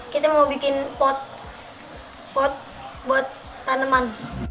kita mau bikin pot buat tanaman